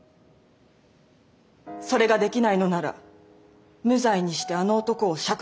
それができないのなら無罪にしてあの男を釈放してください。